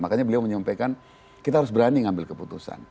makanya beliau menyampaikan kita harus berani ngambil keputusan